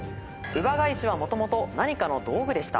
姥ヶ石はもともと何かの道具でした。